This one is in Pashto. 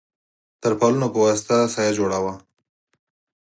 تر پالونو په واسطه سایه جوړه وه.